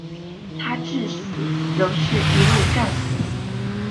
他至死仍是一位战俘。